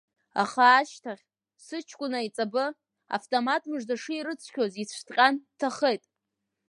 Аха ашьҭахь, сыҷкәын аиҵбы, автомат мыжда ширыцқьоз ицәҭҟьан дҭахеит.